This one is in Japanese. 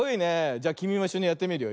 じゃきみもいっしょにやってみるよ。